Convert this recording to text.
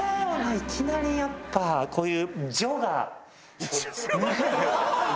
いきなりやっぱこういう。